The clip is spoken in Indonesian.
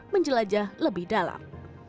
menjelajah lebih dalam